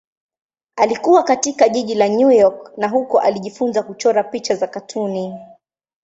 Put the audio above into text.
Alikua katika jiji la New York na huko alijifunza kuchora picha za katuni.